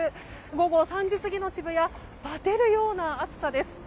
午後３時過ぎの渋谷ばてるような暑さです。